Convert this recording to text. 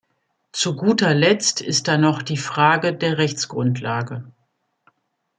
Zu guter Letzt ist da noch die Frage der Rechtsgrundlage.